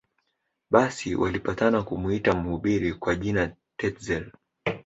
Basi walipatana kumuita mhubiri kwa jina Tetzel